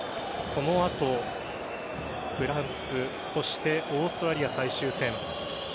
この後、フランスそしてオーストラリア、最終戦。